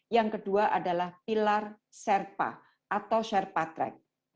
yang kedua adalah pilar serpa atau sherpa track